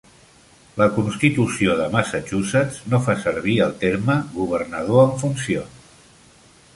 La Constitució de Massachusetts no fa servir el terme "governador en funcions".